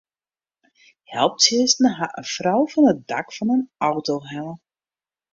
Helptsjinsten ha in frou fan it dak fan in auto helle.